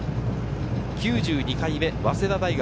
９２回目、早稲田大学。